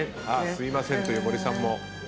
すいませんという森さんも。